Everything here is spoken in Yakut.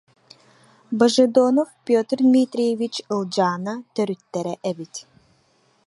Божедонов Петр Дмитриевич Ылдьаана төрүттэрэ эбит